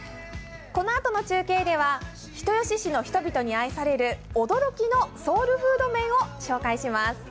このあとの中継では人吉市の人々に愛される驚きのソウルフード麺を紹介します。